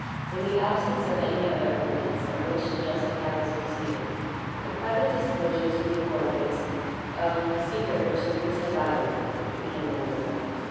In the absence of any other evidence on which to justify this proceeding, the private disclosure to the authorities of the secret which the priest had violated became inevitable.